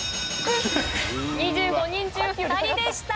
２５人中２人でした。